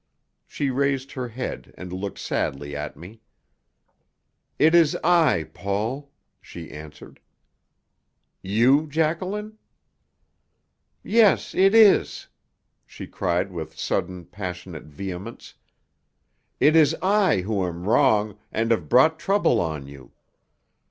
She raised her head and looked sadly at me. "It is I, Paul," she answered. "You, Jacqueline?" "Yes, it is I!" she cried with sudden, passionate vehemence. "It is I who am wrong and have brought trouble on you.